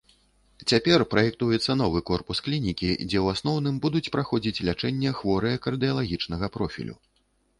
Цяпер праектуецца новы корпус клінікі, дзе ў асноўным будуць праходзіць лячэнне хворыя кардыялагічнага профілю.